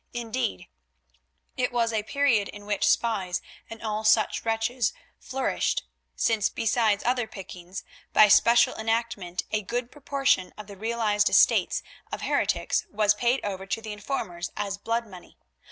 Indeed, it was a period in which spies and all such wretches flourished, since, besides other pickings, by special enactment a good proportion of the realized estates of heretics was paid over to the informers as blood money.